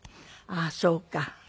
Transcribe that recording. ああそうか。